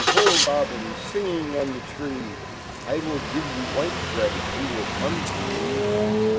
ho, Robin! Ringing on the tree , I will give/ you white broad If you will come to mo."